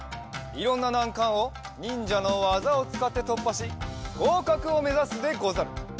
いろんななんかんをにんじゃのわざをつかってとっぱしごうかくをめざすでござる！